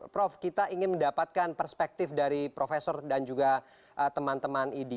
prof kita ingin mendapatkan perspektif dari profesor dan juga teman teman idi